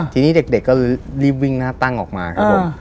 ทีนี้เด็กก็เลยรีบวิ่งหน้าตั้งออกมาครับผม